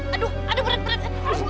aduh aduh berat